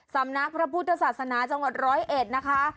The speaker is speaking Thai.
สำนักพระพุทธศาสนาจังหวัดร้อยเอ็ดนะคะ